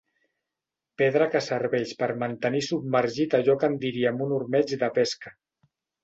Pedra que serveix per mantenir submergit allò que en diríem un ormeig de pesca.